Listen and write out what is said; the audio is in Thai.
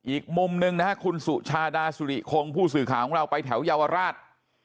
อีกมุมหนึ่งนะครับคุณสุชาดาสุริคงผู้สื่อข่าวของเราไปแถวเยาวราช